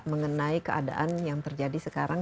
mengenai keadaan yang terjadi sekarang